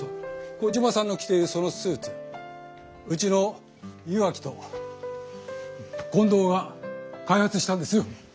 コジマさんの着ているそのスーツうちの岩城と近藤が開発したんですよ。